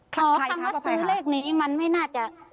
ขอคำว่าซื้อเลขนี้มันไม่น่าจะ